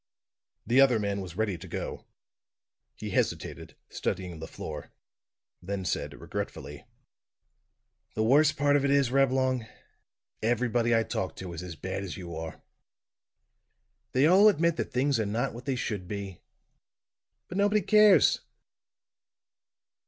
The other man was ready to go. He hesitated, studying the floor; then said, regretfully: "The worst part of it is, Reblong, everybody I talk to is as bad as you are. They all admit that things are not what they should be but nobody cares!"